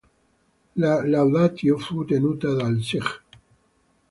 La laudatio fu tenuta dal Sig.